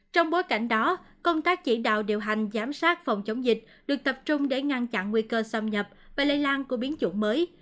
trong bối cảnh đó công tác chỉ đạo điều hành giám sát phòng chống dịch được tập trung để ngăn chặn nguy cơ xâm nhập và lây lan của biến chủng mới